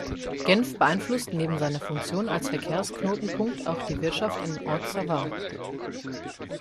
Genf beeinflusst neben seiner Funktion als Verkehrsknotenpunkt auch die Wirtschaft im Haute-Savoie.